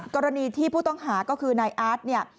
กรณีที่ผู้ต้องหาก็คือนายอาร์ตเนี่ย